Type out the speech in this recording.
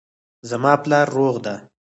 زما پلار روغ ده